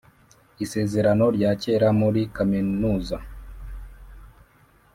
isezerano rya kera muri kaminuza